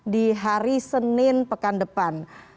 di hari senin pekan depan